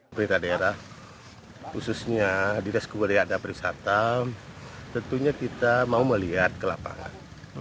pemerintah daerah khususnya di dasar keberadaan perisata tentunya kita mau melihat ke lapangan